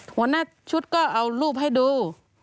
หัวหน้าชุดก็เอารูปให้ดู